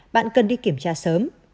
bạn cần đi kiểm tra sớm